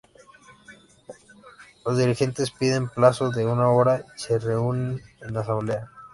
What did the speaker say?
Los dirigentes piden plazo de una hora y se reúnen en asamblea.